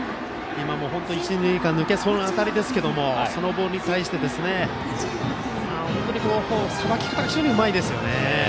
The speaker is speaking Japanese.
今も一、二塁間抜けそうでしたけどそのボールに対してさばき方非常にうまいんですよね。